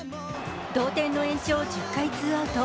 同点の延長１０回ツーアウト。